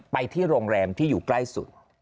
ไปที่โรงแรมที่อยู่ใกล้สุด